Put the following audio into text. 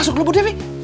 masuk dulu bu devi